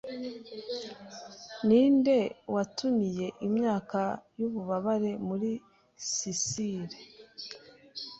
Ninde watumiye imyaka yububabare muri Sicile